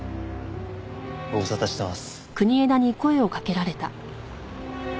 ご無沙汰してます。